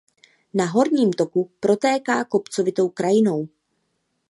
Na horním toku protéká kopcovitou krajinou.